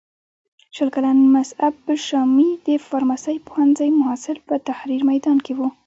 شل کلن مصعب الشامي د فارمسۍ پوهنځي محصل په تحریر میدان کې و.